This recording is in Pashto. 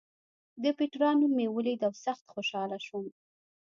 د پېټرا نوم مې ولید او سخت خوشاله شوم.